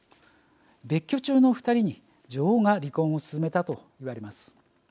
別居中の二人に女王が離婚をすすめたといわれます。